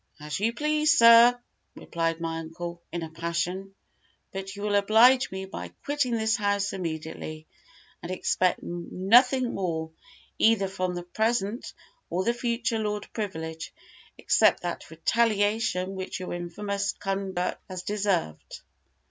"As you please, sir," replied my uncle, in a passion; "but you will oblige me by quitting this house immediately, and expect nothing more, either from the present or the future Lord Privilege, except that retaliation which your infamous conduct has deserved."